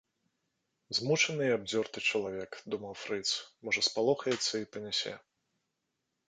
Змучаны і абдзёрты чалавек, думаў фрыц, можа спалохаецца і панясе.